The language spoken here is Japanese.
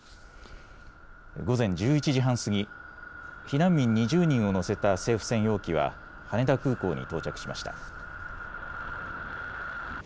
午前１１時半過ぎ、避難民２０人を乗せた政府専用機は羽田空港に到着しました。